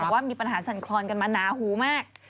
ว่ามีปัญหาสั่นคลอนกันมาหนาหูมาก